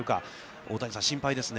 大谷さん、心配ですね。